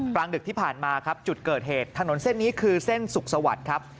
กลางดึกที่ผ่านมาครับจุดเกิดเหตุถนนเส้นนี้คือเส้นสุขสวัสดิ์ครับ